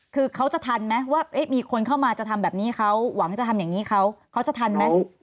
คือเขาจะทันไหมว่ามีคนเข้ามาจะทำแบบนี้เขาหวังจะทำอย่างนี้เขาเขาจะทันไหม